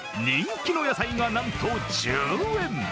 人気の野菜が、なんと１０円！